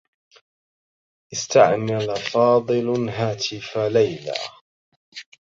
استعمل فاضل هاتف ليلى.